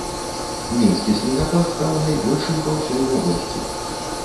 Мінскі снегапад стаў найбольшым па ўсёй вобласці.